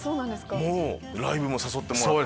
ライブも誘ってもらって。